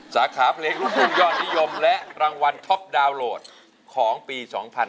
สาขาเพลงลูกทุ่งยอดนิยมและรางวัลท็อปดาวน์โหลดของปี๒๕๕๙